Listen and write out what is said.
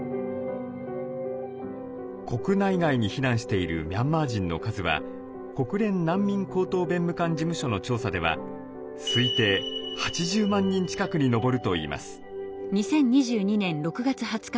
国内外に避難しているミャンマー人の数は国連難民高等弁務官事務所の調査では推定８０万人近くに上るといいます。